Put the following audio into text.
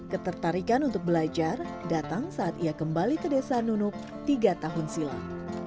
ketertarikan untuk belajar datang saat ia kembali ke desa nunuk tiga tahun silam